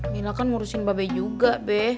mila kan ngurusin mba be juga be